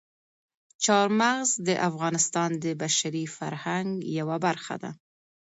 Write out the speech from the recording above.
چار مغز د افغانستان د بشري فرهنګ یوه برخه ده.